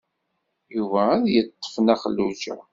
Yuba ad d-yeṭṭef Nna Xelluǧa.